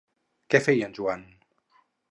Què feia el Joan?